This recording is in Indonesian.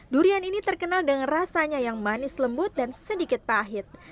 durian ini terkenal dengan rasanya yang manis lembut dan sedikit pahit